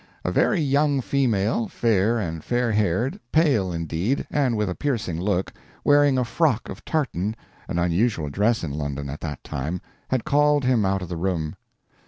A very young female, fair and fair haired, pale, indeed, and with a piercing look, wearing a frock of tartan, an unusual dress in London at that time, had called him out of the room."